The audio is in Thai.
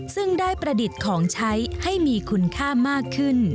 ซึ่งได้ประดิษฐ์ของใช้ให้มีคุณค่ามากขึ้น